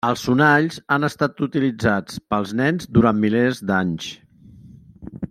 Els sonalls han estat utilitzats pels nens durant milers d'anys.